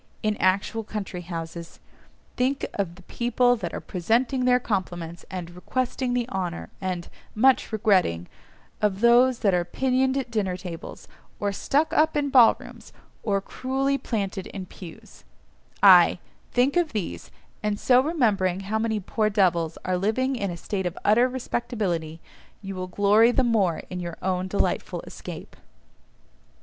in actual country houses; think of the people that are "presenting their compliments," and "requesting the honour," and "much regretting,"—of those that are pinioned at dinner tables; or stuck up in ballrooms, or cruelly planted in pews—ay, think of these, and so remembering how many poor devils are living in a state of utter respectability, you will glory the more in your own delightful escape.